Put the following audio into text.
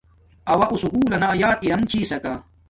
اوہ اُو سکُول لنا یات ارم چھس سکا